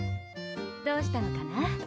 どうしたのかな？